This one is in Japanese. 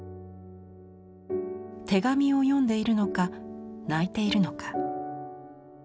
手紙を読んでいるのか泣いているのか。